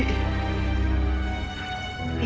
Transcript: apa mas budi